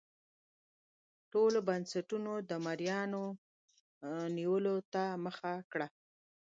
ټولو بنسټونو د مریانو نیولو ته مخه کړه.